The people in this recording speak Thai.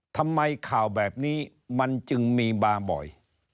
ทำไมข่าวแบบนี้มันจึงมีมาบ่อย